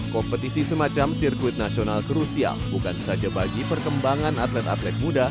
kompetisi semacam sirkuit nasional krusial bukan saja bagi perkembangan atlet atlet muda